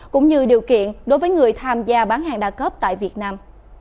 cũng như điều kiện đối với người tham gia bán hàng đa cấp tại việt nam